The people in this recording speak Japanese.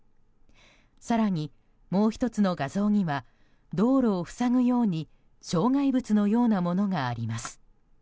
更に、もう１つの画像には道路を塞ぐように障害物のようなものがあります。